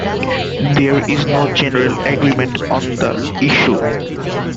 There is no general agreement on the issue.